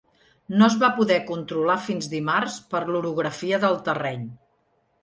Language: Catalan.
No es va poder controlar fins dimarts per l’orografia del terreny.